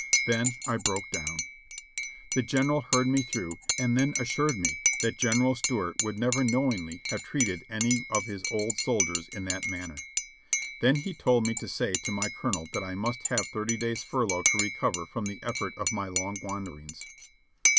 Then I broke down. The General heard me through, and then assured me that General Stuart would never knowingly have treated any of his old soldiers in that manner. Then he told me to say to my colonel that I must have thirty days' furlough to recover from the effect of my long wanderings.